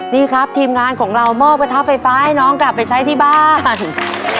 นี่ครับทีมงานของเรามอบกระทะไฟฟ้าให้น้องกลับไปใช้ที่บ้าน